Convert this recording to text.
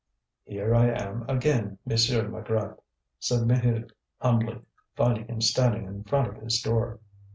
"Here I am again, Monsieur Maigrat," said Maheude humbly, finding him standing in front of his door.